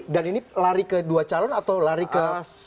dan ini lari ke dua calon atau lari ke